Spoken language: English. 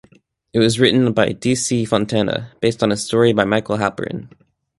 It was written by D. C. Fontana, based on a story by Michael Halperin.